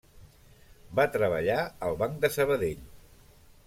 Va treballar al Banc de Sabadell.